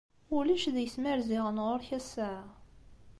Ulac deg-s ma rziɣ-n ɣuṛ-k ass-a?